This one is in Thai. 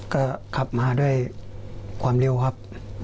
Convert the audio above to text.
ก็ขับมาด้วยความเร็วครับ